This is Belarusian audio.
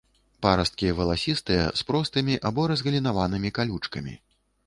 Парасткі валасістыя, з простымі або разгалінаванымі калючкамі.